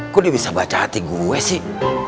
kok dia bisa baca hati gue sih